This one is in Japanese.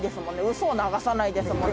「嘘は流さないですもんね？